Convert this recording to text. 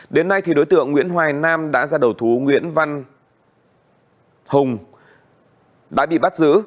đến nay đối tượng nguyễn hoài nam đã ra đầu thú nguyễn văn hùng đã bị bắt giữ